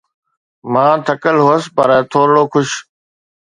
مان ٿڪل هئس پر ٿورڙو خوش.